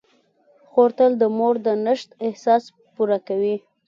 خور تل د مور د نشت احساس پوره کوي.